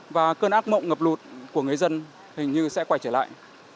và cơn ác mộng ngập lụt của người dân hình như sẽ quay trở lại